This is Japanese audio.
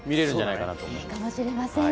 いいかもしれません。